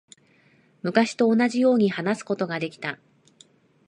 昔と同じように話すことができた。